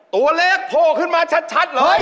ตัวเลขโผล่ขึ้นมาชัดเลย